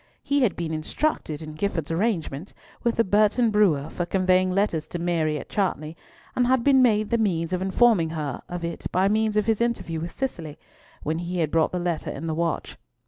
He had been instructed in Gifford's arrangement with the Burton brewer for conveying letters to Mary at Chartley, and had been made the means of informing her of it by means of his interview with Cicely, when he had brought the letter in the watch.